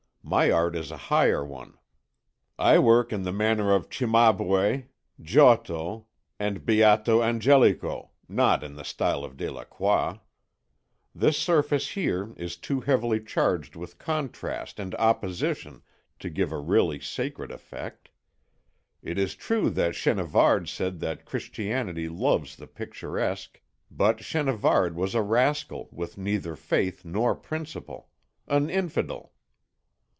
My art is a higher one. I work after the manner of Cimabue, Giotto, and Beato Angelico, not in the style of Delacroix. This surface here is too heavily charged with contrast and opposition to give a really sacred effect. It is true that Chenavard said that Christianity loves the picturesque, but Chenavard was a rascal with neither faith nor principle an infidel....